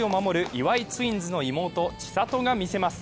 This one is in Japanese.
岩井ツインズの妹・千怜が見せます